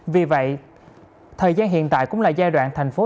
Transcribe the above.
vì vậy thời gian hiện tại cũng là giai đoạn thành phố